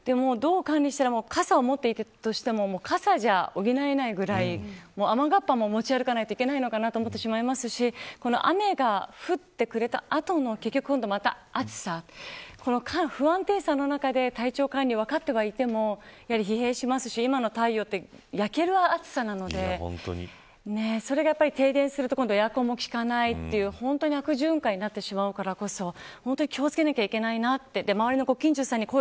傘を持っていたとしても傘では補えないぐらい雨合羽も持ち歩かなきゃいけないのかなと思ってしまいますし雨が降ってくれた後の今度はまた暑さこの不安定さの中で、体調管理分かってはいても、疲弊しますし今の太陽って焼ける暑さなのでそれで停電もすると今度はエアコンも効かないというほんとに悪循環になってしまうからこそ気を付けなければいけないなって。